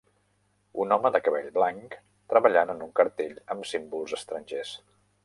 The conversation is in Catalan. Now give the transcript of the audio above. Un home de cabell blanc treballant en un cartell amb símbols estrangers.